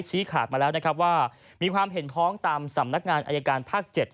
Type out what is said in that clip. ชี้ขากมาแล้วว่ามีความเห็นพร้อมตามสำนักงานอัยการภาค๗